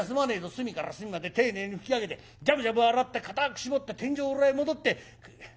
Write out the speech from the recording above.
隅から隅まで丁寧に拭き上げてジャブジャブ洗って固く絞って天井裏へ戻って。